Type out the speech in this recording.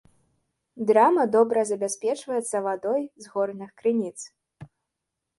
Драма добра забяспечваецца вадой з горных крыніц.